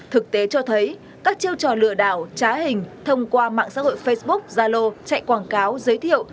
thực tế cho thấy các chiêu trò lừa đảo trá hình thông qua mạng xã hội facebook zalo chạy quảng cáo giới thiệu